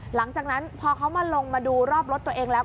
หลังจากนั้นพอเขามาลงมาดูรอบรถตัวเองแล้ว